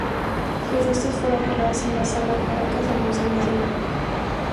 Sus restos fueron velados en la Sala Paracas del Museo Nacional.